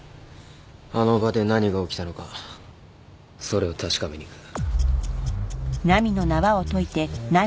あの場で何が起きたのかそれを確かめに行く。